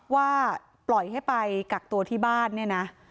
ว่าปล่อยให้ไปกักตัวที่บ้าน